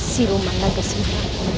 si rumah naga sendiri